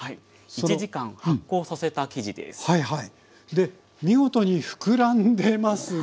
で見事にふくらんでますね。